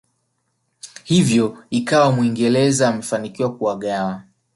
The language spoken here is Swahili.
Hivyo ikawa muingereza amefanikiwa kuwagawa